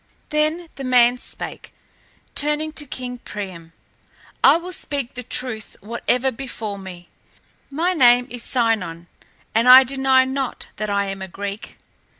Then the man spake, turning to King Priam: "I will speak the truth, whatever befall me. My name is Sinon and I deny not that I am a Greek.